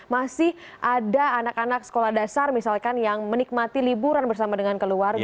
masih ada anak anak sekolah dasar misalkan yang menikmati liburan bersama dengan keluarga